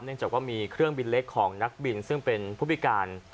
จากว่ามีเครื่องบินเล็กของนักบินซึ่งเป็นผู้พิการ